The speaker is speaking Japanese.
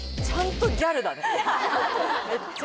めっちゃ。